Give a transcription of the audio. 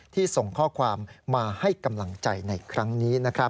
ส่งข้อความมาให้กำลังใจในครั้งนี้